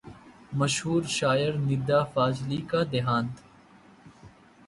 मशहूर शायर निदा फाजली का देहांत